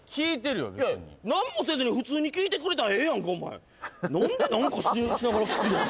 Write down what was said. べつにいや何もせずに普通に聞いてくれたらええやんかお前何で何かしながら聞くの？